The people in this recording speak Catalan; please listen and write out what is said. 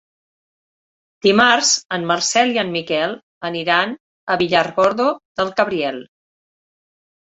Dimarts en Marcel i en Miquel aniran a Villargordo del Cabriel.